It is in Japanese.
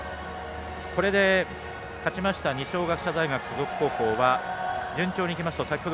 これで、勝ちました二松学舎大学付属高校は順調にいきますと